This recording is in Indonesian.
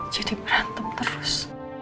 jadi berantem terus